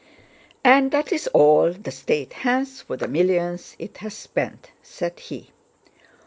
"And that is all the state has for the millions it has spent," said he.